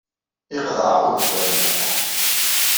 Iqḍeɛ-aɣ ugeffur ad nmerreḥ.